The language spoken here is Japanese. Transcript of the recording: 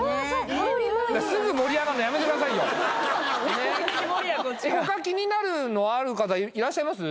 香りもいい他気になるのある方いらっしゃいます？